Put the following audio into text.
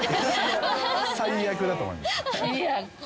最悪だと思います。